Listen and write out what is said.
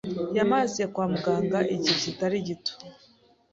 Yamaze kwa muganga igihe kitari gito;